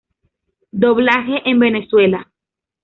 Doblaje en Venezuela